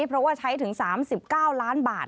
เพราะว่าใช้ถึง๓๙ล้านบาท